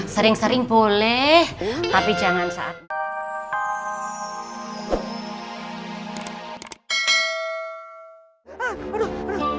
sering sering boleh tapi jangan salah